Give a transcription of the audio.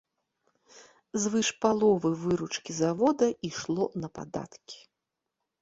Звыш паловы выручкі завода ішло на падаткі.